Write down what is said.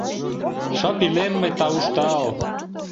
Шып илем мый, тауштал.